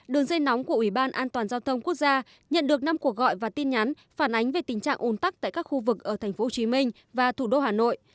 đường dây nóng của ủy ban an toàn giao thông quốc gia nhận được năm cuộc gọi và tin nhắn phản ánh về tình trạng ồn tắc tại các khu vực ở tp hcm và thủ đô hà nội